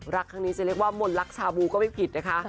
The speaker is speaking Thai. รักครั้งนี้จะเรียกว่ามนต์รักชาบูก็ไม่ผิดนะคะ